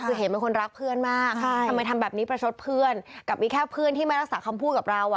คือเห็นเป็นคนรักเพื่อนมากทำไมทำแบบนี้ประชดเพื่อนกับมีแค่เพื่อนที่ไม่รักษาคำพูดกับเราอ่ะ